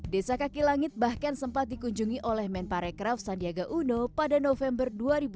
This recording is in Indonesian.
desa kaki langit bahkan sempat dikunjungi oleh menparekraf sandiaga uno pada november dua ribu dua puluh